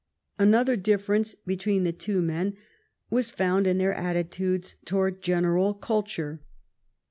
Another difference between the two men was found in their atti tudes towards general culture.